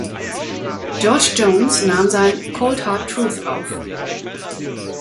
George Jones nahm sein "Cold Hard Truth" auf.